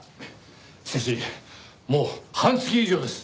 しかしもう半月以上です。